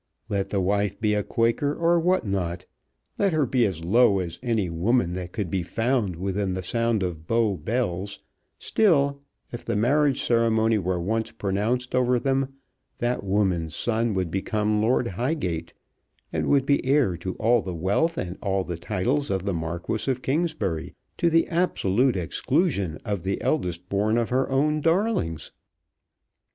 Let the wife be a Quaker or what not, let her be as low as any woman that could be found within the sound of Bow Bells, still, if the marriage ceremony were once pronounced over them, that woman's son would become Lord Highgate, and would be heir to all the wealth and all the titles of the Marquis of Kingsbury, to the absolute exclusion of the eldest born of her own darlings.